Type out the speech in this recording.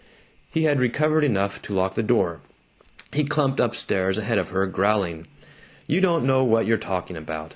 He had recovered enough to lock the door; he clumped up stairs ahead of her, growling, "You don't know what you're talking about.